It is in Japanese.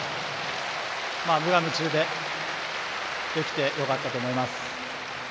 無我夢中でできてよかったと思います。